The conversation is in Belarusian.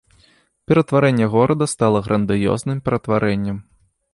Ператварэнне горада стала грандыёзным ператварэннем.